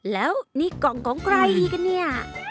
แล้วนี่กล่องของใครดีกันเนี่ย